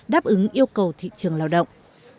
đáp ứng yêu cầu thị trường lao động